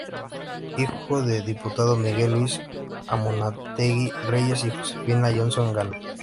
Hijo del diputado Miguel Luis Amunátegui Reyes y Josefina Johnson Gana.